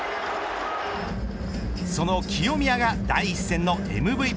その清宮が第１戦のＭＶＰ。